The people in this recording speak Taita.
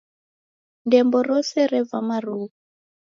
Ndembo rose reva marughu.